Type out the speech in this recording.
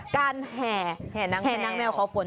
การแห่แห่น้างแมวขอฝน